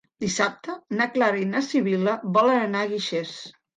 Dissabte na Clara i na Sibil·la volen anar a Guixers.